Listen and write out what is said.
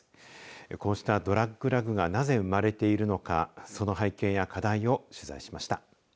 こうしたドラッグ・ラグがなぜ生まれているのかその背景や課題を取材しました。